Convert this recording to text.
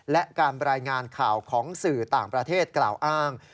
และการรายงานข่าวของสื่อต่างประเทศกล่าวอ้าง